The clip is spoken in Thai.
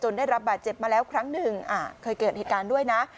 ได้รับบาดเจ็บมาแล้วครั้งหนึ่งเคยเกิดเหตุการณ์ด้วยนะ